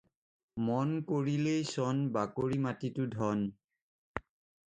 মন কৰিলেই চন, বাকৰি মাটিটো ধন।